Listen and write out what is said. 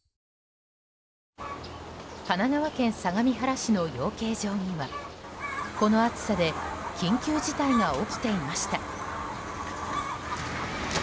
神奈川県相模原市の養鶏場にはこの暑さで緊急事態が起きていました。